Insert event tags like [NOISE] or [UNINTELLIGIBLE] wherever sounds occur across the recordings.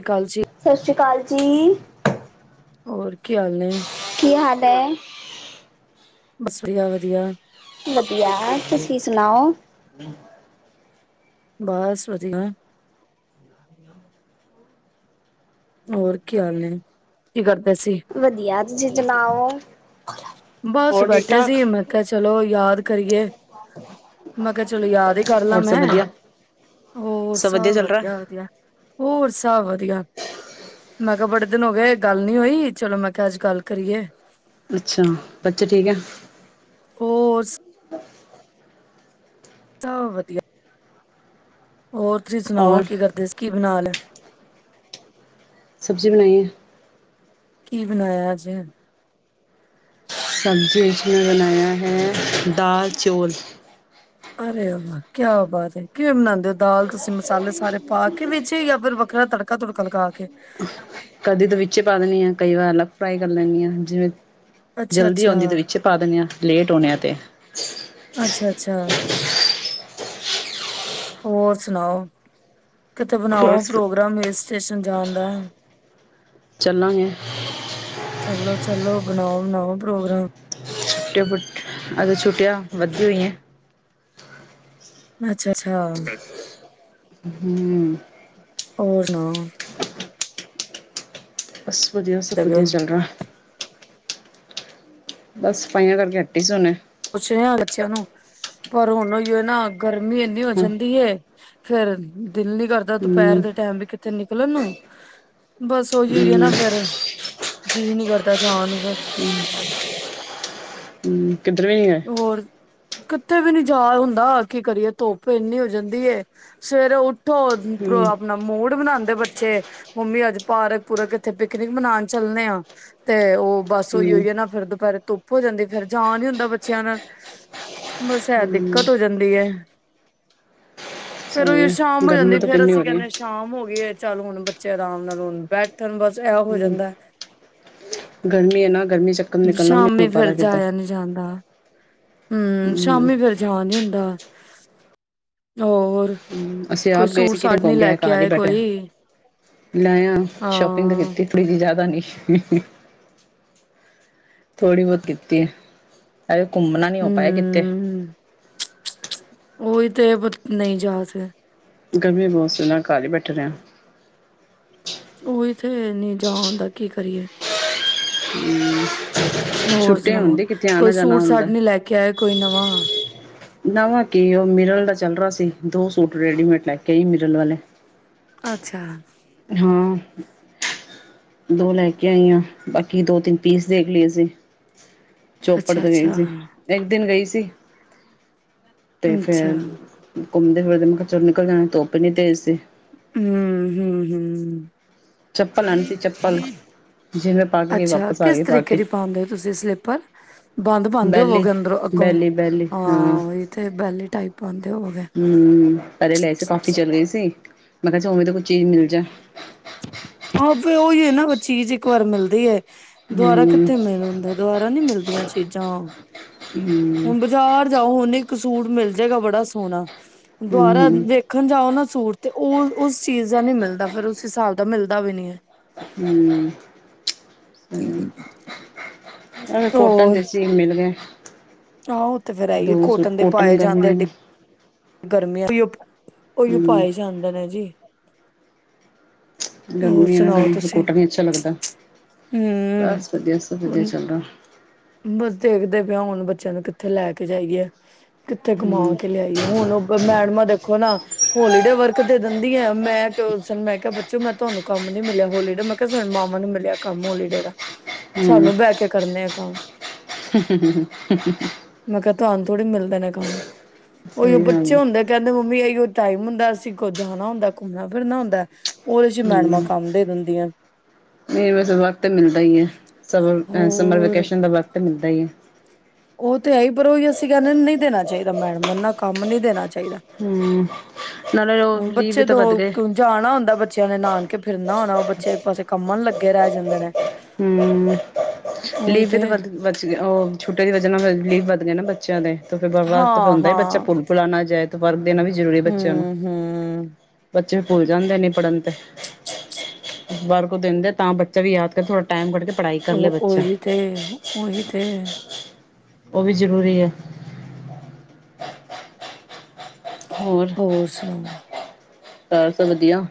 ਅਕਾਲ ਜੀ ਸਤਿ ਸ੍ਰੀ ਅਕਾਲ ਜੀ ਔਰ ਕਿ ਹਾਲ ਨੇ ਕੀ ਹਾਲ ਹੈ ਬਸ ਵਧੀਆ ਵਧੀਆ ਵਧੀਆ ਤੁਸੀ ਸੁਣਾਓ ਬੱਸ ਵਧੀਆ ਔਰ ਕਿ ਹਾਲ ਨੇ ਕਿਦਰ ਵਧੀਆ ਤੁਸੀ ਸੁਣਾਓ ਬਸ ਹੋਰ ਠੀਕ ਬੈਠੇ ਠਾਕ ਸੀ ਮੈਂ ਕਿਹਾ ਚਲੋ ਯਾਦ ਕਰੀਏ ਮੈਂ ਕਿਹਾ ਚਲੋ ਯਾਦ ਹੀ ਕਰ ਲਾ ਹੋਰ ਸਭ ਮੈਂ ਵਧੀਆ ਉਹ ਸਭ ਵਧੀਆ ਵਧੀਆ ਹੋਰ ਸਭ ਵਧੀਆ ਮੈ ਕਹਿਆ ਬੜੇ ਦਿਨ ਹੋਗੇ ਗੱਲ ਮੈ ਹੋਈ ਚਲੋ ਮੈ ਕਹਿਆ ਆਜ ਗੱਲ ਕਰੀਏ ਅੱਛਾ ਬੱਚੇ ਠੀਕ ਆ- ਹੋਰ [UNINTELLIGIBLE] ਸਭ ਵਧੀਆ ਹੋਰ ਤੁਸੀਂ ਸੁਣਾਓ ਔਰ ਕੀ ਕਰਦੇ ਸੀ, ਕੀ ਬਣਾ ਲਿਆ ਸਬਜ਼ੀ ਬਣਾਈਏ ਕੀ ਬਣਾਇਆ ਅੱਜ ਸਬਜ਼ੀਆਂ ਵਿੱਚ ਮੈਂ ਬਣਾਇਆ ਹੈ ਦਾਲ ਚੌਲ ਅਰੇ ਵਾਹ ਕਿਆ ਬਾਤ ਹੈ ਕਿਵੇਂ ਬਣਾਉਂਦੇ ਹੋ ਦਾਲ ਤੁਸੀਂ ਮਸਾਲੇ ਸਾਰੇ ਪਾ ਕੇ ਵੇਚੇ ਜਾਂ ਫਿਰ ਵੱਖਰਾ ਤੜਕਾ ਤੁੜਕਾ ਲਗਾ ਕੇ ਕਦੀ ਇਹਦੇ ਵਿਚ ਪਾ ਦੇਣੀ ਹਾਂ ਕਈ ਵਾਰ ਅਲੱਗ ਫਰਾਈ ਕਰ ਲੈਂਣੀ ਹਾਂ ਜਿਵੇਂ ਜਲਦੀ ਅੱਛਾ-ਅੱਛਾ, ਆਉਂਦੀ ਦੇ ਵਿੱਚੇ ਪਾ ਦਿੰਦੇ ਹਾਂ ਲੇਟ ਆਉਣੇ ਆ ਤੇ ਅੱਛਾ-ਅੱਛਾ ਹੋਰ ਸੁਣਾਓ ਤੇ ਬਣਾਓ ਬਸ ਪ੍ਰੋਗਰਾਮ ਹਿੱਲ ਸਟੇਸ਼ਨ ਜਾਣ ਦਾ ਚੱਲਾਂਗੇ ਬਣਾਓ ਬਣਾਓ ਪ੍ਰੋਗਰਾਮ ਛੁਟ ਪੁਟ ਅਜ ਛੁੱਟੀਆਂ ਵੱਧਦੀ ਹੋਈਆਂ ਅੱਛਾ ਅੱਛਾ ਹਮ ਹੋਰ ਸੁਣਾਓ। ਹ ਬਸ ਵਧੀਆ, ਸਭ ਵਧੀਆ ਚੱਲ ਰਿਹਾ। ਬਸ ਸਫਾਈਆਂ ਕਰਕੇ ਅੱਟੇ ਸੋਨ ਪੁੱਛ ਰਿਯਾ ਬੱਚਿਆਂ ਨੂੰ, ਪਰ ਹੁਣ ਨਾ ਅ ਗਰਮੀ ਇੰਨੀ ਹੋ ਹੂੰ ਜਾਂਦੀ ਏ। ਫੇਰ ਦਿਲ ਨੀ ਕਰਦਾ ਦੁਪਹਿਰ ਦੇ ਹੂੰ ਟਾਈਮ ਵੀ ਕਿੱਥੇ ਨ ਲ ਨੂੰ [INAUDIBLE] ਬਸ ਉਹੀ ਹੋ ਹੈ ਨਾ ਫੇਰ ਜੀਅ ਨਹੀਂ ਕਰਦਾ, ਜਾਣ ਫਿਰ ਹਮ। ਕਿੱਧਰ ਵੀ ਨੀ ਆ ਕਿੱਥੇ ਵੀ ਨੀ ਜਾ ਹੁੰਦਾ, ਕੀ ਕਰੀਏ ਧੁੱਪ ਇੰਨੀ ਹੋ ਜਾਂਦੀ ਏ, ਸਵੇਰੇ ਉਠ ਧ ਹੂੰ ਆਪਣਾ ਮੋੜ ਬਣਾਉਂਦਾ [INAUDIBLE] ਦੇ ਬੱਚੇ ਮੰਮੀ ਅੱਜ ਪਾਰਕ -ਪੂਰਕ ਇੱਥੇ ਪਿਕਨਿਕ ਮਨਾਉਣ ਚੱਲਨੇਆ, ਤੇ ਉਹ ਬੱਸ ਉਈ ਹੂੰ ਹੋਈ ਹੈ ਨਾ ਫਿਰ ਦੁਪਹਿਰੇ ਧੁੱਪ ਹੋ ਜਾਂਦੀ ਏ ਫੇਰ, ਜਾ ਨੀ ਹੁੰਦਾ ਬੱਚਿਆਂ ਨਾਲ, ਬਸ ਐ ਦਿੱਕਤ ਹੋ ਜਾਂਦੀ ਹੈ। ਫੇਰ ਉ ਸਹੀ ਹੈ ਸ਼ਾਮ ਹੋ ਗਰਮੀ ਜਾਂਦੀ ਤਾਂ ਫੇਰ, ਕਿੰਨੀ ਹੋ ਅਸੀਂ ਰਹੀ ਹੈ। ਕਹਿੰਦੇ ਹਾਂ ਸ਼ਾਮ ਹੋ ਗਈ। ਚੱਲ ਹੁਣ ਬੱਚੇ ਆਰਾਮ ਨਾਲ ਹੋਣ ਬੈਠਣ ਬਸ ਐ ਹੋ ਜਾਂਦਾ ਗਰਮੀ ਹੈ ਨਾ, ਗਰਮੀ ਚੱਕਰ ਨਿਕਲਣਾ ਵੀ ਨਹੀਂ ਸ਼ਾਮੀ ਹੋ ਪਾ ਫੇਰ ਰਿਹਾ ਕਿੱਦਰ। ਜਾਇਆ ਨੀ ਜਾਂਦਾ। ਹਮ, ਸ਼ਾਮੀ ਫੇਰ ਜਾ ਨੀ ਹੁੰਦਾ। ਦਾ ਹੋਰ ਅਸੀਂ ਕੋਈ ਆਪ ਗਏ ਸੂਟ ਸੀ, ਕਿਤੇ ਸਾਟ ਨੀ ਘੁੰਮ ਲੈ ਗਿਆ ਕੇ ਘਰ ਹੀ ਆਏ ਬੈਠੇ ਕੋਈ ਲੈਆ ਸ਼ੋਪਿੰਗ ਤਾਂ ਹਾਂ ਕੀਤੀ ਥੋੜ੍ਹੀ ਜਿਹੀ, ਜ਼ਿਆਦਾ ਨਹੀਂ। ਥੋੜ੍ਹੀ ਬਹੁਤ ਕੀਤੀ ਹੈ। ਅ ਘੁੰਮਣਾ ਨੀ ਹੋ ਪਾਇਆ ਕਿਤੇ। ਹੂੰ ਉਹੀ ਤੇ ਨਹੀਂ ਜਾਦੇ ਗਰਮੀ ਬਹੁਤ ਸੀ ਨਾ, ਘਰ ਹੀ ਬੈਠੇ ਰਿਹੈਂ। ਓ ਇੱਥੇ ਨਹੀਂ ਜਾ ਹੁੰਦਾ, ਕੀ ਕਰੀਏ? ਹੋਰ ਛੁੱਟੀ ਸੁਣਾਓ, ਹੁੰਦੀ ਕਿੱਥੇ ਕੋਈ ਆਣਾ ਜਾਣਾ ਸੂਟ- ਸਾਟ ਹੁੰਦਾ। ਨੀ ਲੈ ਕੇ ਆਏ, ਕੋਈ ਨਵਾ। ਨਵਾਂ ਕੀ, ਉਹ ਮਿਰਰ ਦਾ ਚੱਲ ਰਿਹਾ ਸੀ, ਦੋ ਸੂਟ ਰੈਡੀਮੇਡ ਲੈ ਕੇਈ ਮਿਰਲ ਵਾਲੇ। ਅੱਛਾ ਹਾਂ ਦੋ ਲੈ ਕੇ ਆਈਆਂ ਬਾਕੀ ਦੋ ਤਿੰਨ ਪੀਸ ਦੇਖ ਲਏ ਅਸੀਂ ਚੋਪੜ ਅੱਛਾ ਤੋਂ ਗਈ ਅੱਛਾ ਸੀ ਇੱਕ ਦਿਨ ਗਈ ਸੀ ਤੇ ਤੇ ਅੱਛਾ ਫਿਰ ਘੁੰਮਦੇ ਫਿਰਦੇ ਮੈਂ ਕਿਹਾ ਚੱਲ ਨਿਕਲ ਜਾਣਾ ਧੁੱਪ ਐਨੀ ਤੇਜ਼ ਸੀ ਹੂੰ ਹੂੰ ਹੂੰ ਚਪਲ ਲੈਣੀ ਸੀ ਚੱਪਲ ਜਿਵੇਂ ਪਾ ਕੇ ਗਈ ਅੱਛਾ ਵਾਪਸ ਆ ਕਿਸ ਗਈ ਪਾ ਤਰੀਕੇ ਕੇ ਦੀ ਪਾਂਦੇ ਹੋ ਤੁਸੀਂ ਸਲੀਪਰ ਬੰਦ ਪਾਂਦੇ ਬੈਲੀ ਹੋਵੋਗੇ ਅੰਦਰੋਂ ਅੱਗੋਂ ਬੈਲੀ ਹਾਂ ਉਹੀ ਤੇ ਬੈਲੀ ਟਾਈਪ ਪਾਉਂਦੇ ਹੋਵੋਗੇ ਹੂੰ ਪਰ [UNINTELLIGIBLE] ਕਾਫੀ ਚੱਲ ਗਈ ਸੀ ਮੈਂ ਕਿਹਾ ਚੱਲ ਉਵੇਂ ਤਾਂ ਕੁਝ ਚੀਜ਼ ਮਿਲ ਜਾ ਹਾਂ ਉਹੀ ਹੈ ਨਾ ਚੀਜ਼ ਇੱਕ ਵਾਰ ਮਿਲਦੀ ਹੈ ਦੁਆਰਾ ਹਮ ਕਿੱਥੇ ਮਿਲ ਹੁੰਦਾ ਦੁਆਾਰਾ ਨੀ ਮਿਲਦੀਆਂ ਚੀਜ਼ਾਂ ਹਮ ਹੁਣ ਬਜ਼ਾਰ ਜਾਓ ਓਨੇ ਇੱਕ ਸੂਟ ਮਿਲ ਜਾਏਗਾ ਬੜਾ ਸੋਹਣਾ ਦੁਬਾਰਾ ਹਮ ਵੇਖਣ ਜਾਓ ਨਾ ਸੂਟ ਤੇ ਉਹ ਉਸ ਚੀਜ਼ ਦਾ ਨਹੀਂ ਮਿਲਦਾ ਫਿਰ ਉਸ ਸਾਲ ਤਾਂ ਮਿਲਦਾ ਵੀ ਨੀ ਹੂੰ ਹੂੰ ਕੋਟਨ ਹੋਰ ਦੇ ਸੀ ਮਿਲ ਗਏ ਆਹੋ ਉਹ ਤੇ ਫੇਰ ਹੈ ਹੀ ਆ ਦੋ ਸੂਟ ਕੋਟਨ ਦੇ ਪਾਏ ਜਾਂਦੇ ਗਰਮੀ ਐੇ ਗਰਮੀਆਂ ਉਹੀ ਹਮ ਪਾਏ ਜਾਂਦੇ ਨੇ ਜੀ ਹੋਰ ਗਰਮੀ ਹੈ ਨਾ ਸੁਣਾਓ ਗਰਮੀ ਫ਼ਿਰ ਤੁਸੀਂ ਕੋੋਟਨ ਨੀ ਅੱਛਾ ਲੱਗਦਾ ਬਸ ਹਮ ਵਧੀਆ ਸਭ ਵਧੀਆ ਚੱਲਦਾ ਬਸ ਦੇਖਦੇ ਪਿਆ ਹੁਣ ਬੱਚਿਆਂ ਨੂੰ ਕਿੱਥੇ ਲੈ ਕੇ ਜਾਈਏ ਕਿੱਥੇ ਹਮ ਕਮਾ ਕੇ ਲਿਆਈਏ ਹੁਣ ਉਹ ਮੈਡਮਾ ਦੇਖੋ ਨਾ ਹੋਲੀਡੇ ਵਰਕ ਤੇ ਦਿੰਦੀ ਹੈ ਮੈਂ ਕਿਹਾ ਉਸਨ ਮੈਂ ਕਿਹਾ ਬੱਚ ਚ ਮੈਂ ਤੁਹਾਨੂੰ ਕੰਮ ਨੀ ਮਿਲਿਆ ਹੋਲੀਡੇ ਮੈਂ ਕਿਹਾ ਸਾਨੂੰ ਮਾਵਾਂ ਨੂੰ ਮਿਲਿਆ ਕੰਮ ਹੋਲੀਡੇ ਦਾ ਹਮ ਸਾਨੂੰ ਬਹਿ ਕੇ ਕਰਨੇ ਆ ਕੰਮ [UNINTELLIGIBLE] ਥੋੜੀ ਮਿਲਦਾ ਨਾ ਕੰਮ ਉਹੀ ਉਹ ਸਹੀ ਗੱਲ ਬੱਚੇ ਹੈ ਹੁੰਦੇ ਆ, ਕਹਿੰਦੇ ਮੰਮੀ ਇਓ ਟਾਈਮ ਹੁੰਦੈ, ਅਸੀਂ ਕੋ ਜਾਣਾ ਹੁੰਦੈ, ਘੁੰਮਣਾ- ਫਿਰਨਾ ਹੁੰਦੈ। ਹਮ ਨਹੀਂ ਵਸ ਵਕਤ ਮਿਲਦਾ ਹੀ ਏ, ਸਮਰ ਸਮਰ ਹੋਰ ਵੇਕੇਸ਼ਨ ਦਾ ਵਕਤ ੱਟ ਮਿਲਦਾ [INAUDIBLE] ਉਹ ਤੇ ਹੈ ਹੀ ਪਰ ਉਹੀ ਅਸੀਂ ਕਹਿੰਦੇ ਨਹੀਂ ਦੇਣਾ ਚਾਹੀਦਾ ਮੈਡਮ ਨੂੰ ਨਾ ਕੰਮ ਨੀ ਦੇਣਾ? ਹਮ ਨਾਲੇ ਉਹ ਲੀਵ ਬੱਚੇ ਵੀ ਤਾਂ ਦੋ ਵੱਧ ਗਏ ਜਾਣਾ ਹੁੰਦਾ ਬੱਚਿਆਂ ਨੇ, ਨਾਨ ਕੇ ਫਿਰਨਾ ਹੋਣਾ ਉਹ ਬ ਪਛੇ ਇੱਕ -ਪਾਸੇ ਕੰਮਣ ਲੱਗੇ ਰਹਿ ਜਾਂਦੇ ਨੇ ਹਮ ਉਹੀ ਲੀਵ ਤੇ ਤ ਬਧ ਬਚ ਉਹ ਛੋਟੇ ਜ ਲਿਵ ਵਧ ਗਏ ਨਾ ਬੱਚਿਆਂ ਦੇ ਤੇ ਫਿਰਰਬਾਦ ਫਿਰ ਹਾਂ ਹੁੰਦਾ ਬੱਚਾ ਹਾਂ ਪੁਲ ਪੁੁਲਾਣਾ ਜਾਏ ਪਰ ਦੇਣਾ ਵੀ ਜ਼ਰੂਰੀ ਹੈ ਬੱਚਿਆਂ ਨੂੰ ਹੂੰ ਹੂੰ ਬੱਚੇ ਭੁੱਲ ਜਾਂਦੇ ਨੀ, ਪੜ੍ਹਨ ਤੇ ਵਾਰ ਕੋ ਦਿੰਦੇ ਤਾਂ ਬੱਚਾ ਵੀ ਯਾਦ ਕਰ ਥੋੜ੍ਹਾ ਟਾਈਮ ਕੱਡਕੇ ਉਹ ਉਹੀ ਤੇੇ ਉਹੀ ਤੇੇ ਉਹ ਵੀ ਜ਼ਰੂਰੀ ਐ। ਹੋਰ ਸੁਣਾਓ? ਘਾਰ ਸਭ ਵਧੀਆ?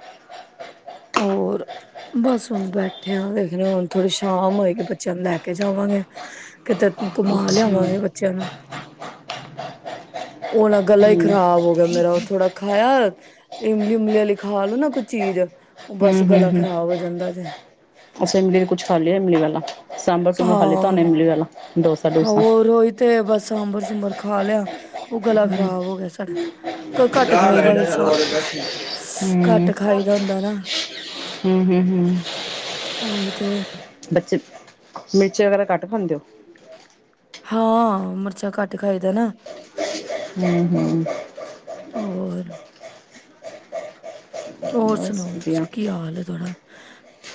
ਹੋਰ, ਬਸ ਹੁਨ ਬੈਠੇ ਆ, ਦੇਖਨੇ ਹੁਨ ਥੋੜੀ ਸ਼ਾਮ ਹੋਏ ਤੇ ਬੱਚਿਆਂ ਨੂੰ ਲੈ ਕੇ ਜਾਵਾਂਗੇ। ਕਿਤੇ ਘੁਮਾ ਅੱਛਾ ਹੂੰ ਲਿਆਵਾਂਗੇ ਬੱਚਿਆਂ ਨੂੰ। ਉਹ ਨਾ ਗਲਾ ਹੀ ਹੂੰ ਖਰਾਬ ਹੋ ਗਿਆ ਮੇਰਾ, ਉਹ ਥੋੜਾ ਖਾਇਆ। ਇਮਲੀ -ਉਮਲੀ ਆਲੀ ਕੋਈ ਖਾ ਲਓ ਨਾ, ਕੋਈ ਚੀਜ਼। ਹਮ, ਬਸ ਹਮ, ਗਲਾ ਹਮ ਖ਼ਰਾਬ ਹੋ ਜਾਂਦਾ ਜੇ ਅਸੀਂ ਇਮਲੀ ਤੇ ਕੁਛ ਖਾ ਲਿਆ ਇਮਲੀ ਵਾਲਾ। ਸਾਂਬਰ- ਸੁੰਬਰ ਖਾ ਲਿਤਾ ਹਾਂ ਹੋਨੇ ਇਮਲੀ ਵਾਲਾ, ਡੋਸਾ ਡੂਸਾ ਹੋਰ ਓਈ ਤੇ ਏ, ਬਸ ਸਾਂਬਰ ਸੁੁੰਬਰ ਖਾ ਖਾ ਲਿਆ। ਉਹ ਗਲਾ ਖ਼ਰਾਬ ਹੋ ਗਿਆ ਸਾਡਾ, ਘੱਟ ਖਾਈਦੈ ਹੂੰ ਘੱਟ ਖਾਈ ਦਾ ਹੁੰਦਾ ਨਾ ਹੂੰ ਹੂੰ ਹੂੰ ਉਹੀ ਤੇ। ਬੱਚੇ ਮਿਰਚ ਵਗੈਰਾ ਘੱਟ ਖਾਂਦੇ ਓ? ਹਾਂ, ਮਿਰਚਾਂ ਘੱਟ ਖਾਈਦਾ ਨਾ। ਹਮ-ਹਮ। ਹੋਰ। ਹੋਰ ਬਸ ਸੁਣਾਓ, ਤੁਸੀਂ ਵਧੀਆ ਕੀ ਹਾਲ ਥੋੜਾ?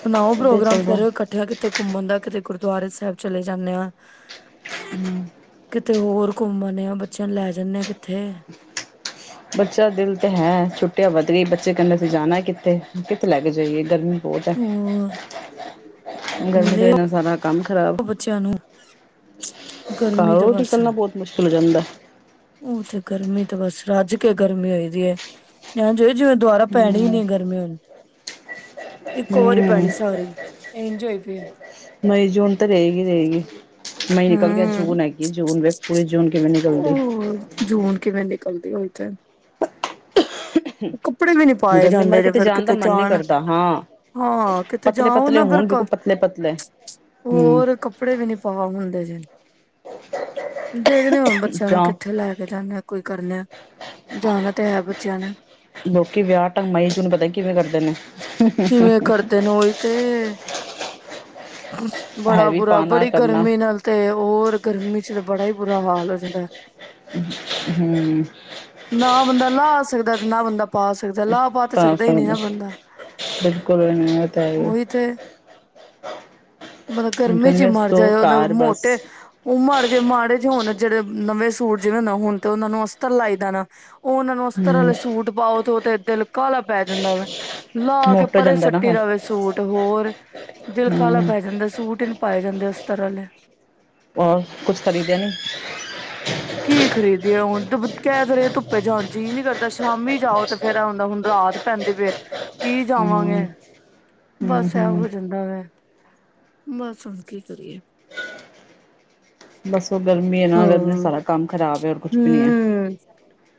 ਬਨਾਓ ਵਧੀਆ ਪ੍ਰੋਗਰਾਮ ਫਿਰ, ਚਲੋ ਇਕੱਠਿਆ ਕਿਤੇ ਘੁੰਮਣ ਦਾ ਕਿਤੇ ਗੁਰਦੁਆਰੇ ਸਾਹਿਬ ਚਲੇ ਜਾਂਨੇ ਆਂ। ਹਮ। ਕਿਤੇ ਹੋਰ ਘੁੰਮ ਆਨੇ ਆਂ, ਬੱਚਿਆਂ ਨੂੰ ਲੈ ਜਾਂਨੇ ਆਂ ਕਿੱਥੇ। ਬੱਚਾ ਦਿਲ ਤੇ ਹੈ। ਛੁੱਟਿਆ ਵੱਧ ਗਈ, ਬੱਚੇ ਕਿੰਦੇ ਅਸੀਂ ਜਾਣਾ ਹੈ ਕਿੱਥੇ? ਕਿੱਥੇ ਲੈ ਕੇ ਜਾਈਏ ਗਰਮੀ ਬਹੁਤ ਹੈ। ਹੋਰ ਗਰਮੀ ਦੇ ਲੈ ਵਜ ਨਾਲ ਸਾਰਾ ਕੰਮ ਖ਼ਰਾਬ ਬੱਚਿਆਂ ਨੂੰ। ਗਰਮੀ ਤਾਂ ਘਰੋਂ ਬਸ ਨਿਕਲਣਾ ਬਹੁਤ ਮੁਸ਼ਕਿਲ ਹੋ ਜਾਂਦਾ ਉਹ ਤੇੇ ਗਰਮੀ ਤੇ ਬਸ ਰੱਜ ਕੇ ਗਰਮੀ ਹੋਈ ਦੀ ਹੈ। ਐਜ ਹੋਈ ਜਿਵੇਂ ਦੁਬਾਰਾ ਪੈਨੀ ਈ ਨੀਂ ਗਰਮੀ ਹੁਣ। ਇੱਕੋ ਵਾਰੀ ਹੂੰ ਪੈਣੀ ਸਾਰੀ, ਇੰਜ ਹੋਈ ਪਈ ਹੈ। ਰਹੇਗੀ-ਰਹੇਗੀ। ਮਈ ਨਿਕਲ ਗਿਆ, ਹੂੰ ਜੂਨ ਹੈਗੀ ਜੂਨ ਵੀੇ ਪੂਰੇ ਜੂਨ ਕੇ ਵੀ ਨਿਕਲਦੀ। ਉਹ ਜੂਨ ਕਿਵੇਂ ਨਿਕਲਦੀ ਹੋਈ ਤੇ। ਕੱਪੜੇ ਵੀ ਨੀ ਪਾਏ ਗਰਮੀ ਮਰ ਜਾਂਦੇ ਜੇ, ਫਿਰ ਦਾ ਕਿਤੇ ਮਨ ਨੀ ਜਾਣ ਕਰਦਾ ਹਾਂ ਹਾਂ, ਕਿਤੇ ਪਤਲੇ ਜਾ ਉਹ ਪਤਲੇ ਨਾ ਫਿਰ ਹੋਣ ਬਿਲਕੁਲ ਪਤਲੇ ਪਤਲੇ ਹਮ ਹੋਰ ਕੱਪੜੇ ਵੀ ਨੀ ਪਾ ਹੁੰਦੇ, ਦੇਖਦੇ ਹੁਣ ਬੱਚਿਆਂ ਨੂੰ ਜਾਂ ਕਿੱਥੇ ਲੈ ਕੇ ਜਾਂਦੇ ਕੋਈ ਕਰ ਜਾਣਾ ਤੇ ਹੈ ਬੱਚਿਆਂ ਨੇ। ਲੋਕੀ ਵਿਆਹ ਢੰਗ ਮਈ, ਜੂਨ ਪਤਾ ਕਿਵੇਂ ਕਰਦੇ ਨੇ। ਜਿਵੇਂ ਕਰਦੇ ਨੇ ਉਹੀ ਤੇ ਬੜਾ ਹੈਵੀ ਬੁਰਾ, ਪਾਣਾ ਬੜੀ ਕਰਨਾ ਗਰਮੀ ਨਾਲ ਤੇ ਹੋਰ ਗਰਮੀ ਚ ਤਾਂ ਬੜਾ ਹੀ ਬੁਰਾ ਹਾਲ ਹੋ ਜਾਂਦਾ। ਹਮ। ਨਾ ਬੰਦਾ ਲਾਹ ਸਕਦਾ। ਨ ਬੰਦਾ ਪਾ ਸਕ ਤਾਂ ਸਕਦਾ, ਬਿਲਕੁਲ ਇਹ ਨਹੀਂ ਏ ਤੇ ਹੈ ਹੀ ਏ। ਉਹੀ ਤੇ ਮਤਲਬ ਗਰਮੀ ਚ ਹੀ ਮਰ ਤੋਂ ਜਾਏ, ਉਹਨ ਕਾਰ ਬਸ ਮੋਟੇ ਉਹ ਮਰ ਦੇ ਮਾੜੇ ਜਿ ਹੋਣ ਜਿਹੜੇ ਨਵੇਂ ਸੂਟ ਜਿਵੇਂ ਨਾ, ਹੁਣ ਤੇ ਉਹਨਾਂ ਨੂੰ ਅਸਤਰ ਲਾਈ ਦਾ ਨਾ। ਉਹ ਓਹਨਾ ਨੂ ਅਸਤਰ ਹਮ ਆਲੇ ਸ ਆਓ ਥੋ ਓ ਤੇ ਦਿਲ ਕਾਹਲਾ ਪੈ ਜਾਂਦਾ ਵੈ। ਲਾ ਕੇ ਮੋਟੋ ਪਰੇ ਜਾਂਦਾ ਨਾ ਸੱਟੀ ਦਾ ਵੇ ਫਿਰ ਸੂਟ, ਹੋਰ ਦਿਲ ਕਾਲਾ ਹਮ ਪੈ ਜਾਂਦਾ, ਸੂਟ ਹੀ ਨੀ ਪਾਏ ਜਾਂਦੇ ਅਸ ਤਰਲੇ ਹੋਰ ਕੁਛ ਖਰੀਦੇ ਨੀ? ਕੀ ਖਰੀਦੀਏ ਹੁਣ, ਤ ਕਹਿ ਤੇ ਰਹੀ ਧੁੱਪੇ ਜਾਣ ਜੀ ਨਹੀ ਕਰਦਾ, ਸ਼ਾਮੀ ਜਾਓ ਤੇ ਫੇਰ ਐ ਹੁਂਦਾ ਹੁਣ ਰਾਤ ਪੈਂਦੀ ਪੀ ਏ। ਕੀ ਹਮ ਜਾਵਾਂਗੇ, ਹਮ ਬਸ ਇਹ ਹਮ ਹੋ ਜਾਂਦਾ ਵੈ। ਬਸ ਹੁਣ ਕੀ ਕਰੀਏ? ਬਸ ਉਹ ਗਰਮੀ ਆ ਹਾਂ ਨਾ ਸਾਰਾ ਕੰਮ ਖ਼ਰਾਬ ਹੈ ਔਰ ਕੁਛ ਵੀ ਨਹੀਂ ਹੈ। ਹੂੰ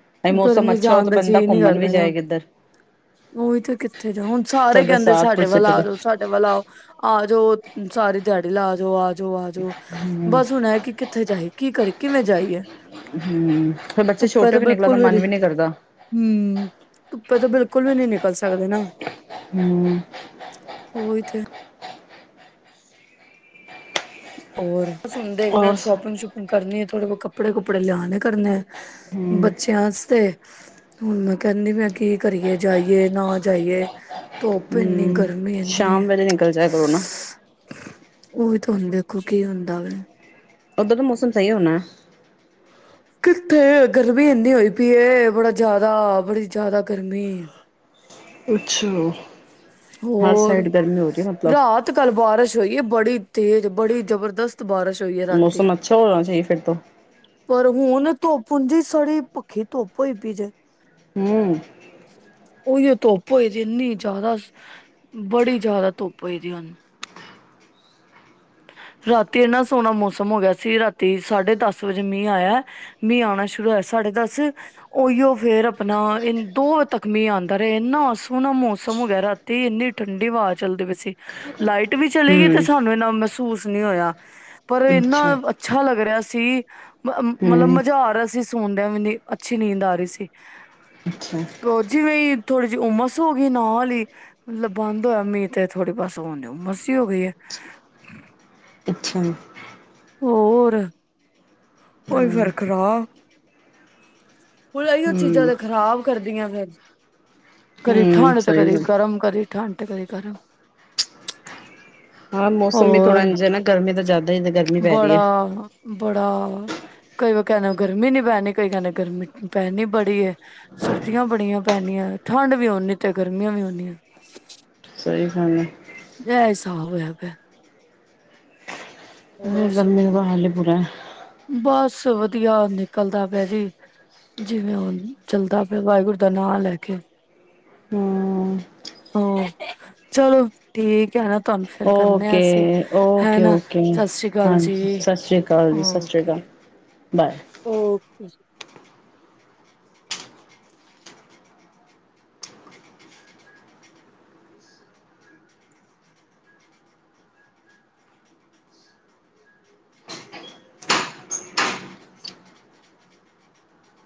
ਨਹੀਂ ਮੌਸਮ ਗਰਮੀ ਅੱਛਾ ਹੋ ਜਾਣ ਤਾਂ ਦਾ ਬੰਦਾ ਜੀ ਨੀ ਘੁੰਮਣ ਵੀ ਕਰਦਾ ਨਾ। ਜਾਏ ਕਿੱਧਰ ਉਹੀ ਤੇ ਕਿੱਥੇ ਜਾਵੇ? ਹੁਣ ਫਿਰ ਸਾਰੇ ਕਹਿੰਦੇ ਬਰਸਾਤ ਸਾਡੇ ਵੱਲ ਬਰਸੁਤ ਆ ਜਾਓ, ਸਾਡੇ ਵੱਲ ਆਓ ਅ ਆਜੋ ਸਾਰੇ ਦਿਹਾੜੀ ਲਾਜੋ ਆਕੇ। ਜੋ ਆਜੋ ਬਸ ਹੁਣ ਐ ਕਿ ਕਿੱਥੇ ਜਾਏ? ਕੀ ਕਰੀਏ ਕਿਵੇਂ ਜਾਈਏ? ਹੂੰ, ਫਿਰ ਬੱਚੇ ਧੁੱਪੇ ਛੋਟੇ ਤੇ ਵੀ ਨਿਕਲਣ ਦਾ ਬਿਲਕੁਲ ਮਨ ਵੀ ਨੀ ਕਰਦਾ। ਤਾ ਕਦੇ ਬਿਲਕੁਲ ਵੀ ਨੀ ਨਿਕਲ ਸਕਦੇ ਨਾ। ਹੂੰ। ਉਹੀ ਤੇ ਓਰ। ਸੁਣਦੇ ਨੀ ਨਾ ਔਰ ਸ਼ੋਪਿੰਗ- ਸ਼ੂਪਿੰਗ ਕਰਨੀ ਏ। ਥੋੜੇ ਬਹੁ ਕੱਪੜੇ- ਕੁਪੜੇ ਲਿਆਦੇਆ ਕਰਨੇ ਆ। ਹਮ ਬੱਚਿਆਂ ਆਸਤੇ। ਹੁਣ ਮੈਂ ਕਹਿੰਦੀ ਵੀ ਕੀ ਕਰੀਏ, ਜਾਈਏ ਨਾ ਜਾਈਏ? ਧੁੱਪ ਇੰਨੀ ਹੂਅ ਗਰਮੀ ਇੰਨੀ ਹੈ ਸ਼ਾਮ ਵੇਲੇ ਨਿਕਲ ਜਿਆ ਕਰੋ ਨਾ। ਉਹ ਹੀ ਤੇ ਹੋਂਦੇ। ਕੋਕੀ ਹੁੰਦਾ ਵਾ। ਓਦਰ ਦਾ ਮੌਸਮ ਸਹੀ ਹੋਣਾ। ਕਿੱਥੇ? ਗਰਮੀ ਇੰਨੀ ਹੋਈ ਪਈ ਏ, ਬੜਾ ਜਿਆਦਾ, ਬੜੀ ਜਿਆਦਾ ਗਰਮੀ। ਪੁਛੋ? ਹੋਰ, ਰਾਤ ਕੱਲ ਬਾਰਿਸ਼ ਹੋਈ ਐ ਬੜੀ। ਤੇਜ਼ ਬੜੀ ਜ਼ਬਰਦਸਤ। ਬਾਰਿਸ਼ ਹੋਈ ਹੈ ਰਾਤੀ। ਮੌਸਮ ਅੱਛਾ ਹੋਣਾ ਚਾਹੀਏ ਫਿਰ ਤੋਂ ਪਰ ਹੁਣ ਧੁੱਪ ਉਜੀਂ ਸੜੀ ਭੱਖੀ ਧੁੱਪ ਹੋਈ ਪੀ ਜੇ ਹਮ ਉਹੀਓ ਧੁੱਪ ਹੋ ਦੀ ਇੰਨੀ ਜ਼ਿਆਦਾ ਬੜੀ ਜ਼ਿਆਦਾ ਧੁੱਪ ਹੋਈ‌ ਦੀ ਹੁਨ। ਰਾਤੀ ਇੰਨਾ ਸੋਹਣਾ ਮੌਸਮ ਹੋ ਗਿਆ ਸੀ। ਰਾਤੀ ਸਾਢੇ ਦਸ ਵਜੇ ਮੀਂਹ ਆਇਆ। ਮੀਂਹ ਆਣਾ ਸ਼ੁਰੂ ਹੋਇਆ ਸਾਢੇ ਦਸ ਉਹੀਓ ਫੇਰ ਆਪਣਾ ਦੋ ਵਜੇ ਤੱਕ ਮੀਂਹ ਆਉਂਦਾ ਰਿਹਾ। ਇੰਨਾ ਸੋਹਣਾ ਮੌਸਮ ਹੋ ਗਿਆ ਰਾਤੀ ਇੰਨੀ ਠੰਡੀ ਹਵਾ ਚੱਲਦੀ ਪਈ ਸੀ। ਲਾਈਟ ਵੀ ਚਲੀ ਗਈ ਤੇ, ਹਮ ਸਾਨੂੰ ਇਨਾ ਮਹਿਸੂਸ ਨਹੀਂ ਹੋਇਆ ਪਰ, ਇੰਨਾ ਅੱਛਾ ਅੱਛਾ ਲੱਗ ਰਿਹਾ ਸੀ। ਮਤਲਬ ਹਮ ਮਜ਼ਾ ਆ ਰਿਹਾ ਸੀ। ਸੋ਼ਦਿਆਂ ਵੀ ਨ ਅੱਛੀ ਨੀਂਦ ਆ ਰਹੀ ਸੀ ਅੱਛਾ ਤੇ ਜਿਵੇਂ ਥੋੜੀ ਜਿਹੀ ਹੁਮਸ ਹੋ ਗਈ ਨਾ ਹੀ ਮਤਲਬ ਬੰਦ ਹੋਇਆ ਮੀਂਹ ਤੇ ਥੋੜੀ ਬਸ ਹੋਣ ਦੀ ਹੁਮਸ ਜੀ ਹੋ ਗਈ ਐ। ਅੱਛਾ ਹੋਰਅ ਹੋਈ ਹਮ ਫਰ- ਖਰਾ ਹੁਣ ਇਓ ਚੀਜ਼ਾਂ ਹਮ ਤੇ ਖ਼ਰਾਬ ਕਰਦੀਆਂ ਨੇ। ਕਦੀ ਹਮ ਠੰਡ ਤੇ, ਸਹੀ ਕਦੀ ਗੱਲ ਗਰਮ ਤੇ ਕਦੀ ਠੰਡ ਕਦੇ ਗਰਮ। ਹਾਂ ਮੌਸਮ ਵੀ ਥੋੜਾ ਹੋਰ ਇੰਝ ਏ ਨਾ, ਗਰਮੀ ਦਾ ਜ਼ਿਆਦਾ ਈ ਗਰਮੀ ਪੈ ਰਹੀ ਬੜਾ ਐ। ਬੜਾ ਕਈ ਕਹਿਦੇ ਗਰਮੀ ਨੀ ਪੈਨੀ, ਕਈ ਕਹਿਦੇ ਗਰਮੀ ਪੈਦੀ ਬੜੀ ਏ ਸਰਦੀਆਂ ਬੜੀਆਂ ਪੈਦੀਆਂ। ਠੰਡ ਵੀ ਉਨੀਆ ਤੇ, ਗਰਮੀਆਂ ਵੀ ਉਨੀਆ। ਸਹੀ ਗੱਲ [INAUDIBLE] ਤਾ ਹੋਇਆ ਪਿਆ ਹੋਰ ਗਰਮੀ ਦਾ ਹਾਲੇ ਬੁਰਾ ਬਸ ਵਧੀਆ ਨਿਕਲਦਾ ਪਿਆ ਜੀ, ਜਿਵੇਂ ਹੁਨ ਚੱਲਦਾ ਪਿਆ ਵਾਹਿਗੁਰੂ ਦਾ, ਨਾਂ ਲੈ, ਕੇ। ਹਮ ਹੰ, ਚਲੋ ਠੀਕ ਹੈ, ਨਾ ਤੁਹਾਨੂੰ ਫੇਰ ਕਰਨੇ ਆ ਅਸੀਂ ਓਕੇ-ਓਕੇ ਹੈਨਾ ਓਕੇ, ਸਤਿ ਸ੍ਰੀ ਅਕਾਲ ਜੀ ਹਾਂਜੀ। ਸਤਿ ਸ਼੍ਰੀ ਅਕਾਲ ਜੀ। ਸਤਿ ਸ਼੍ਰੀ ਅਕਾਲ ਓਕੇ ਬਾਏ ਓਕੇ